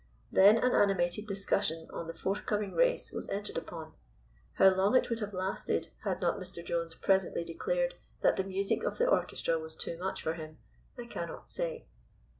Then an animated discussion on the forthcoming race was entered upon. How long it would have lasted had not Mr. Jones presently declared that the music of the orchestra was too much for him I cannot say.